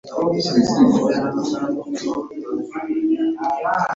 Omutume Bugembe yafa wiiki ewedde.